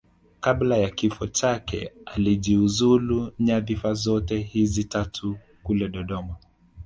Kabla ya kifo chake alijiuzulu nyadhifa zote hizi tatu kule Dodoma